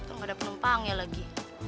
nggak ada penumpangnya lagi